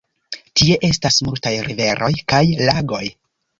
Tie estas multaj riveroj kaj lagoj.